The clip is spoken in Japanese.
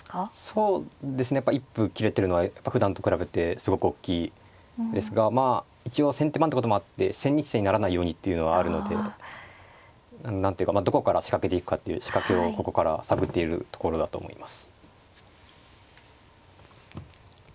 そうですねやっぱ一歩切れてるのはやっぱふだんと比べてすごくおっきいですが一応先手番ってこともあって千日手にならないようにっていうのはあるので何というかどこから仕掛けていくかという仕掛けをここから探っているところだと思います。